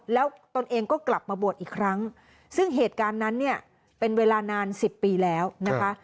แล้วตนเองก็กลับมาบวชอีกครั้งซึ่งเหตุการณ์นั้นเนี่ยเป็นเวลานาน๑๐ปีแล้วนะคะ